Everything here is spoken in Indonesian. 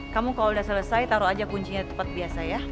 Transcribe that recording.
kamu kalau udah selesai taruh aja kuncinya tepat biasa ya